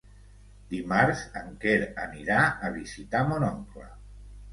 Dimarts en Quer anirà a visitar mon oncle.